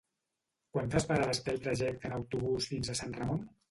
Quantes parades té el trajecte en autobús fins a Sant Ramon?